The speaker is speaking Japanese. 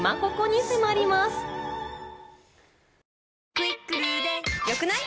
「『クイックル』で良くない？」